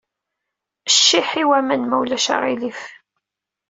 Ciḥḥ i waman, ma ulac aɣilif.